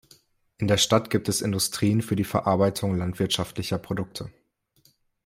In der Stadt gibt es Industrien für die Verarbeitung landwirtschaftlicher Produkte.